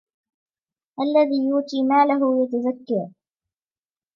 الَّذِي يُؤْتِي مَالَهُ يَتَزَكَّى